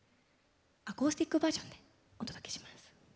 アコースティックバージョンでお届けします。